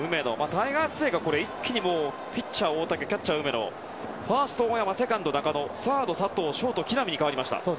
タイガース勢がピッチャー大竹キャッチャー梅野ファースト、大山セカンド、中野サード、佐藤ショート、木浪に代わりました。